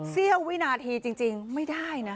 เสี้ยววินาทีจริงไม่ได้นะ